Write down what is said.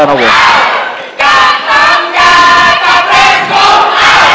ganjar mahfud ganjar mahfud ganjar mahfud ganjar mahfud